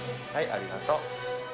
ありがとう。